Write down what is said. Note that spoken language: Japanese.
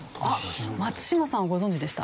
松嶋さんはご存じでした？